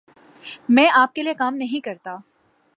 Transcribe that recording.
میں آپ کے لئے کام نہیں کرتا۔